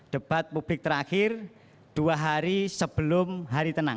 debat publik terakhir dua hari sebelum hari tenang